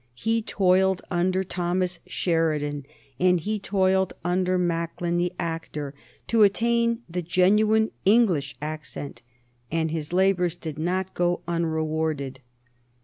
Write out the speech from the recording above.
He toiled under Thomas Sheridan and he toiled under Macklin the actor to attain the genuine English accent, and his labors did not go unrewarded.